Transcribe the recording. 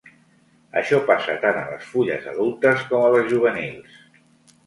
Això passa tant a les fulles adultes com a les juvenils.